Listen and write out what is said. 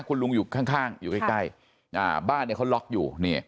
คุณลุงอยู่ข้างอยู่ใกล้บ้านเนี่ยเขาล็อกอยู่